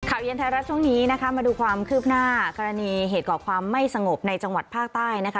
เย็นไทยรัฐช่วงนี้นะคะมาดูความคืบหน้ากรณีเหตุก่อความไม่สงบในจังหวัดภาคใต้นะคะ